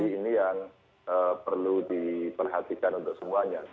jadi ini yang perlu diperhatikan untuk semuanya